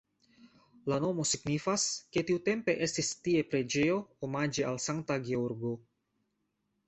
La nomo signifas, ke tiutempe estis tie preĝejo omaĝe al Sankta Georgo.